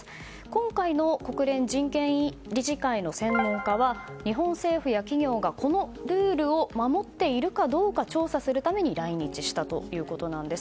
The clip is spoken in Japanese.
今回の国連人権理事会の専門家は日本政府や企業がこのルールを守っているかどうか調査するために来日したということなんです。